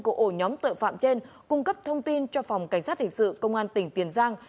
của ổ nhóm tội phạm trên cung cấp thông tin cho phòng cảnh sát hình sự công an tỉnh tiền giang